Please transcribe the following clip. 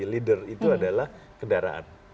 leader itu adalah kedaraan